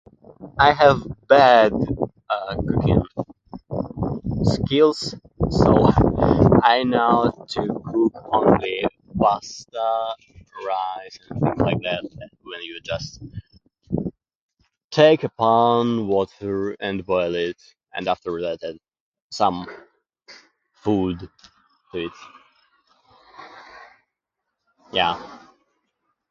I have bad, uh, cooking skills. So, I know to cook only pasta, rice, and things like that. When you just take a pan, water and boil it. And after that some food is... yeah.